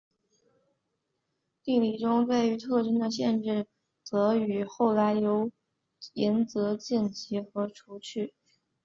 定理中对于特征的限制则与后来由岩泽健吉和除去。